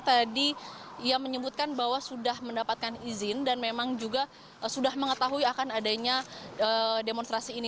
tadi ia menyebutkan bahwa sudah mendapatkan izin dan memang juga sudah mengetahui akan adanya demonstrasi ini